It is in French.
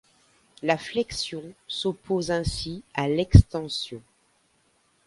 La flexion s'oppose ainsi à l'extension.